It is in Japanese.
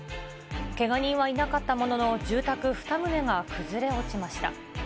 けが人はいなかったものの、住宅２棟が崩れ落ちました。